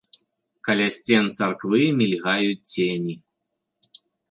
Каля сцен царквы мільгаюць цені.